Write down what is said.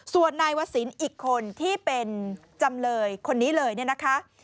ส่วนนายวศิลป์อีกคนที่เป็นจำเลยคนนี้เลยเนี่ยนะคะ